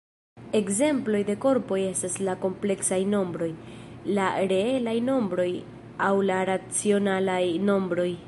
Ekzemploj de korpoj estas la kompleksaj nombroj, la reelaj nombroj aŭ la racionalaj nombroj.